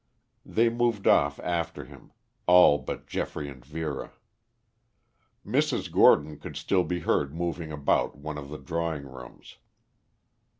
They moved off after him, all but Geoffrey and Vera. Mrs. Gordon could still be heard moving about one of the drawing rooms.